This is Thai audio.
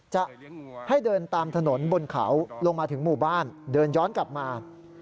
จะให้เดินตามถนนบนเขาลงมาถึงหมู่บ้านเดินย้อนกลับมา